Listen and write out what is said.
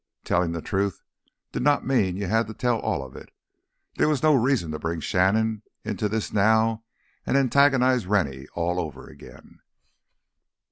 Telling the truth did not mean you had to tell all of it. There was no reason to bring Shannon into this now and antagonize Rennie all over again.